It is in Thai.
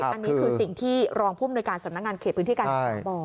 อันนี้คือสิ่งที่รองภูมิหน่วยการสำนักงานเขตพื้นที่การศึกษาบอก